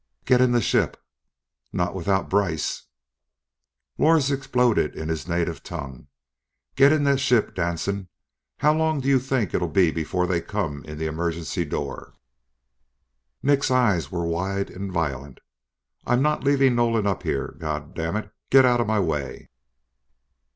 "Get in the ship!" "Not without Brice!" Lors exploded in his native tongue. "Get in that ship, Danson! How long do you think it'll be before they come in the emergency door?" Nick's eyes were wide and violent. "I'm not leaving Nolan up here, goddammit! Get out of my way!"